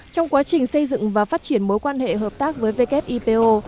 trong quá trình xây dựng và phát triển mối quan hệ hợp tác với wipo